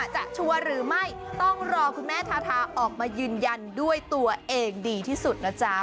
ชัวร์หรือไม่ต้องรอคุณแม่ทาทาออกมายืนยันด้วยตัวเองดีที่สุดนะจ๊ะ